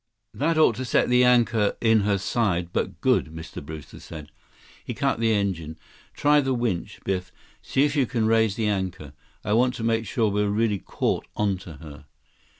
"That ought to set the anchor in her side but good," Mr. Brewster said. He cut the engine. "Try the winch, Biff. See if you can raise the anchor. I want to make sure we're really caught onto her."